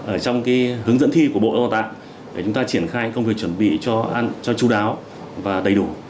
ở trong cái hướng dẫn thi của bộ đào tạo để chúng ta triển khai công việc chuẩn bị cho chú đáo và đầy đủ